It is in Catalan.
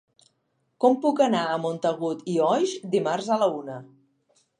Com puc anar a Montagut i Oix dimarts a la una?